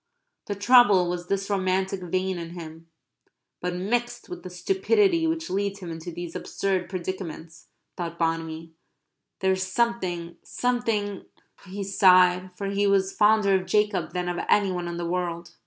The trouble was this romantic vein in him. "But mixed with the stupidity which leads him into these absurd predicaments," thought Bonamy, "there is something something" he sighed, for he was fonder of Jacob than of any one in the world.